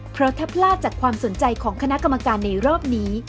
เพราะถ้าพลาดจากความสนใจของคณะกรรมการในรอบนี้